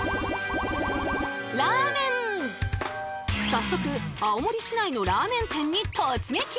早速青森市内のラーメン店に突撃！